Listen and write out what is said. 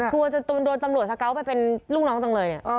กลัวจะโดนตำรวจทั้งเก๋าไปเป็นลูกน้องจังเลย